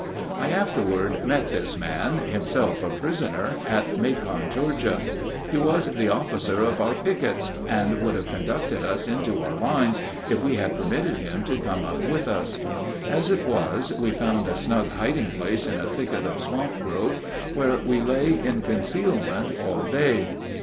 I afterward met this man, himself a prisoner, at Macon, Georgia. He was the officer of our pickets, and would have conducted us into our lines if we had permitted him to come up with us. As it was, we found a snug hiding place in a thicket of swamp growth, where we lay in concealment all day.